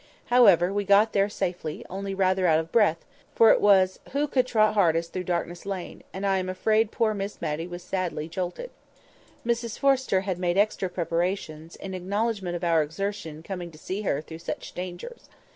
However, we got there safely, only rather out of breath, for it was who could trot hardest through Darkness Lane, and I am afraid poor Miss Matty was sadly jolted. Mrs Forrester had made extra preparations, in acknowledgment of our exertion in coming to see her through such dangers.